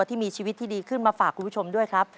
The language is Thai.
ที่มีชีวิตที่ดีขึ้นมาฝากคุณผู้ชมด้วยครับ